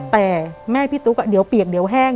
แต่แม่พี่ตุ๊กเดี๋ยวเปียกเดี๋ยวแห้ง